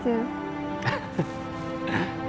aku udah tau itu